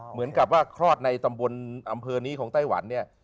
เหมือนกับว่าคลอดในตำบลอำเภอนี้ของไต้หวันเนี่ย